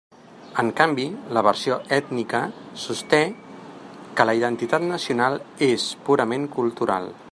En canvi, la versió ètnica sosté que la identitat nacional és purament cultural.